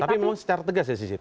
tapi memang secara tegas ya sisi